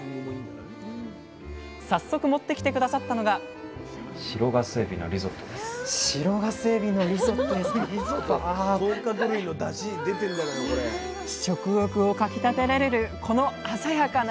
早速持ってきて下さったのが食欲をかきたてられるこの鮮やかな色！